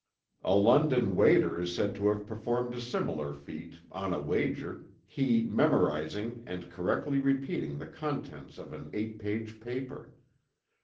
A London waiter is said to have performed a similar feat, on a wager, he memorizing and correctly repeating the contents of an eight page paper.